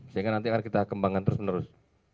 sehingga nanti akan kita kembangkan terus menerus